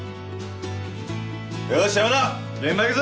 よし山田現場行くぞ！